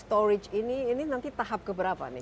storage ini nanti tahap keberapa nih